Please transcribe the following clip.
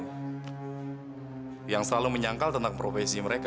kedalamnya mereka selalu menyangkal tentang profesi mereka